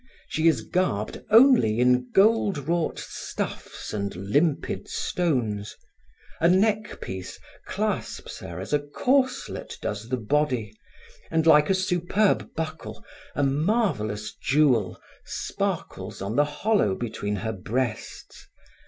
She is garbed only in gold wrought stuffs and limpid stones; a neck piece clasps her as a corselet does the body and, like a superb buckle, a marvelous jewel sparkles on the hollow between her breasts.